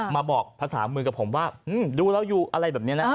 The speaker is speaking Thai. มาบอกภาษามือกับผมว่าดูเราอยู่อะไรแบบนี้นะ